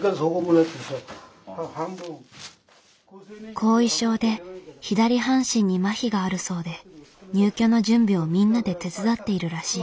後遺症で左半身にまひがあるそうで入居の準備をみんなで手伝っているらしい。